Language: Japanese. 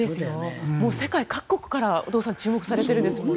世界各国から注目されてるんですよね。